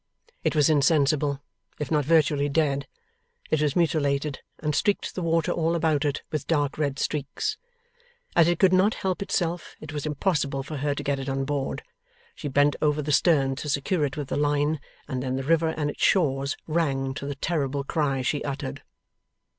It was insensible, if not virtually dead; it was mutilated, and streaked the water all about it with dark red streaks. As it could not help itself, it was impossible for her to get it on board. She bent over the stern to secure it with the line, and then the river and its shores rang to the terrible cry she uttered.